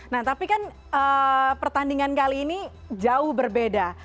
nah tapi kan pertandingan kali ini jauh berbeda